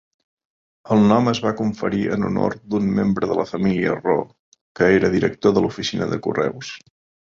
El nom es va conferir en honor d'un membre de la família Roo, que era director de l'oficina de correus.